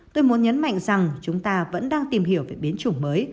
tôi muốn nhấn mạnh rằng chúng ta vẫn đang tìm hiểu về biến chủng mới